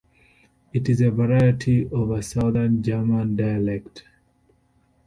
It is a variety of a Southern German dialect.